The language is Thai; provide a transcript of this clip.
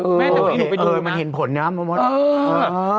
แม่งแต่พี่หนูไปดูนะเออมันเห็นผลนะประมาณ